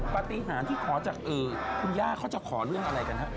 ปฏิหารที่ขอจากคุณย่าเขาจะขอเรื่องอะไรกันฮะ